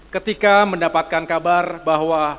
ketika mendapatkan kabar bahwa